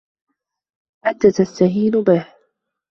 أنت تستهين به.